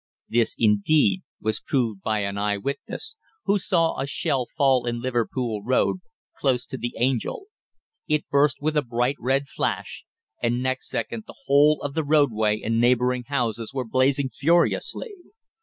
This, indeed, was proved by an eye witness, who saw a shell fall in Liverpool Road, close to the Angel. It burst with a bright red flash, and next second the whole of the roadway and neighbouring houses were blazing furiously.